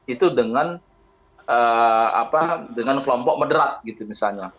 itu dengan kelompok mederat gitu misalnya